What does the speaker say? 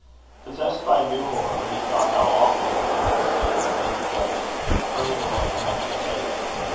Possessed by a new horror, he thought how awful it would be to see a belated ghost, hurrying away in helpless haste.